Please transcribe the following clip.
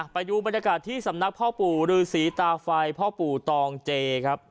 ไปดูบรรยากาศที่สำนักพ่อปู่ฤษีตาไฟพ่อปู่ตองเจครับ